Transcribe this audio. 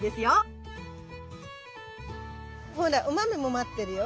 ほらお豆も待ってるよ。